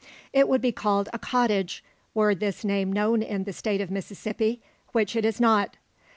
It would be called a cottage, were this name known in the State of Mississippi which it is not.